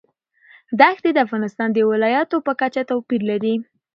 دښتې د افغانستان د ولایاتو په کچه توپیر لري.